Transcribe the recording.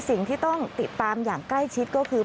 สิ่งที่ต้องติดตามอย่างใกล้ชิดก็คือ